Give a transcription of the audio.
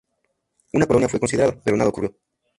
Una colonia fue considerada, pero nada ocurrió.